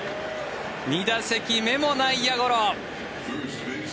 ２打席目も内野ゴロ。